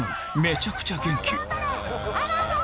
めちゃくちゃ元気アナゴ！